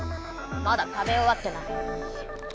まだ食べおわってない。